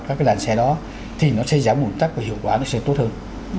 các cái đàn xe đó thì nó sẽ giảm bụng tắc và hiệu quả nó sẽ tốt hơn